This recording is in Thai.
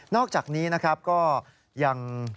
อกจากนี้นะครับก็ยัง